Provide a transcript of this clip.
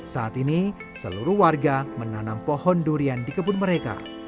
saat ini seluruh warga menanam pohon durian di kebun mereka